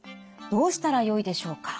どうしたらよいでしょうか。